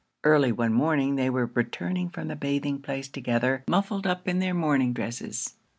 Early one morning, they were returning from the bathing place together, muffled up in their morning dresses.